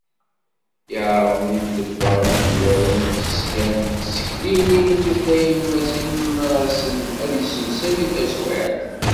Yeɛreḍ yimḍebber amezwaru n tesga n tsekliwin d tutlayin Mass M. Imarazen ad yessemsawi taswiɛt.